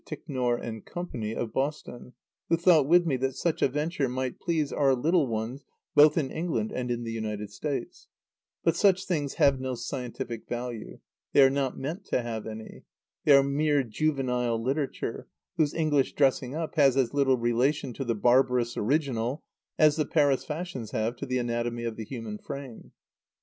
Ticknor & Co., of Boston, who thought with me that such a venture might please our little ones both in England and in the United States. But such things have no scientific value. They are not meant to have any. They are mere juvenile literature, whose English dressing up has as little relation to the barbarous original as the Paris fashions have to the anatomy of the human frame.